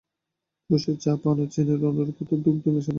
রুশের চা-পানও চীনের অনুরূপ, অর্থাৎ দুগ্ধ মেশানো নেই।